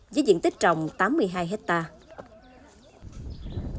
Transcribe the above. với diện tích trồng tám mươi hai hectare